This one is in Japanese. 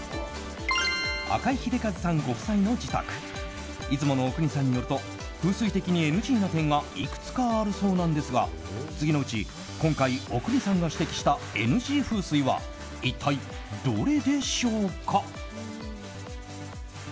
赤井英和さんご夫妻の自宅出雲阿国さんによると風水的にＮＧな点がいくつかあるそうなんですが次のうち、今回阿国さんが指摘したＮＧ風水は一体どれでしょうか。